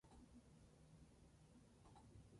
Transmisión por correa y árboles de levas.